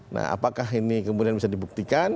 nah apakah ini kemudian bisa dibuktikan